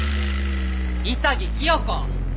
潔清子！